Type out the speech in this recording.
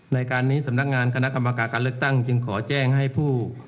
ในการนี้สำนักงานคณะกรรมการการเลือกตั้งจึงขอแจ้งให้ผู้